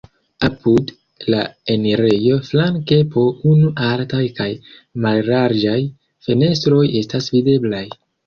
Apud la enirejo flanke po unu altaj kaj mallarĝaj fenestroj estas videblaj.